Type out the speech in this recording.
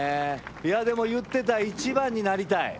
いやでも言ってた「１番になりたい」。